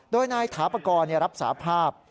โดยนายถาปกรณ์รับสาภาพ